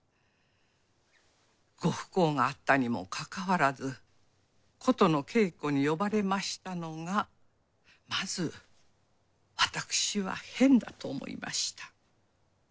ご不幸があったにも関わらず琴の稽古に呼ばれましたのがまず私は変だと思いました。